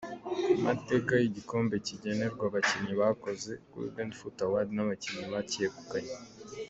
Amateka y’igikombe kigenerwa abakinnyi bakuze “Golden Foot award” n’abakinnyi bacyegukanye.